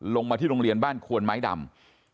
ลงมาที่โรงเรียนบ้านควนไม้ดำ